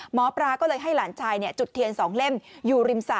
หมอปลาก็เลยให้หลานชายจุดเทียน๒เล่มอยู่ริมสระ